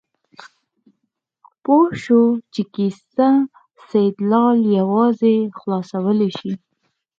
پوه شو چې کیسه سیدلال یوازې خلاصولی شي.